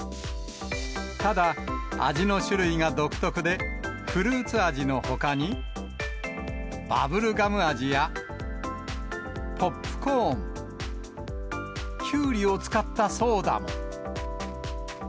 ただ、味の種類が独特で、フルーツ味のほかに、バブルガム味や、ポップコーン、きゅうりを使ったソーダも。